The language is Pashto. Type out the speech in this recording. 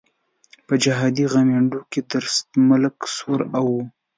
په جهادي غويمنډه کې درست ملک سور اور وو.